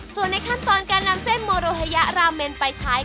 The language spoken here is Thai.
ส่วนในขั้นตอนการนำเส้นโมโดเฮยะราเมนไปใช้